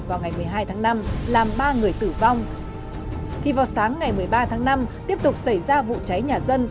vào ngày một mươi hai tháng năm làm ba người tử vong thì vào sáng ngày một mươi ba tháng năm tiếp tục xảy ra vụ cháy nhà dân